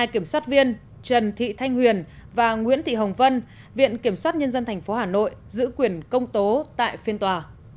hai kiểm soát viên trần thị thanh huyền và nguyễn thị hồng vân viện kiểm soát nhân dân thành phố hà nội giữ quyền công tố tại phiên tòa